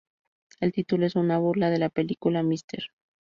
El título es una burla de la película "Mr.